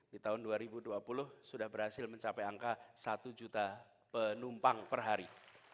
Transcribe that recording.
di tahun dua ribu dua puluh sudah berhasil mencapai angka satu juta penumpang per hari